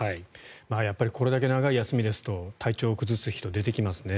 やっぱりこれだけ長い休みですと体調を崩す人、出てきますね。